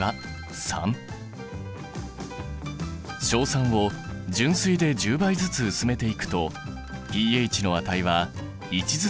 硝酸を純水で１０倍ずつ薄めていくとｐＨの値は１ずつ大きくなった。